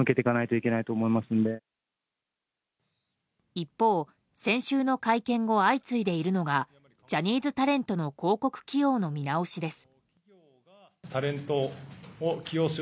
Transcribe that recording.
一方、先週の会見後相次いでいるのがジャニーズタレントの広告起用の見直しです。